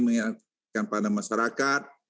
mengatakan pada masyarakat